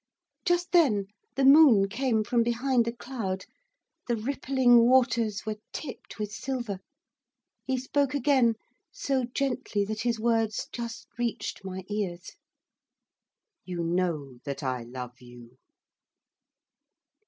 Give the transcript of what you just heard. Just then the moon came from behind a cloud; the rippling waters were tipped with silver. He spoke again, so gently that his words just reached my ears. 'You know that I love you.